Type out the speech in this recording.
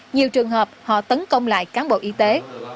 nhiều trường hợp họ tấn công lại cán bộ y tế